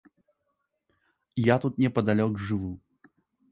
Я тут непадалёк жыву.